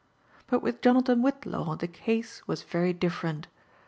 But with Jonathan Whillaw the case was very different.